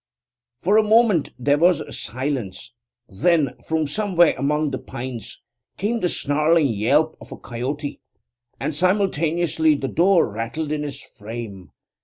For a moment there was silence; then, from somewhere among the pines, came the snarling yelp of a coyote; and simultaneously the door rattled in its frame.